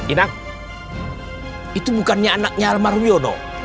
inang itu bukannya anaknya almarwiono